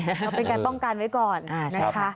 ก็เป็นการป้องกันไว้ก่อนนะคะ